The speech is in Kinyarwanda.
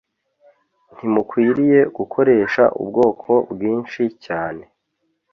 Ntimukwiriye gukoresha ubwoko bwinshi cyane